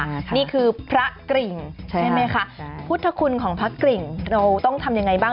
นี่คือพระกริ่งใช่ไหมคะพุทธคุณของพระกริ่งเราต้องทำยังไงบ้าง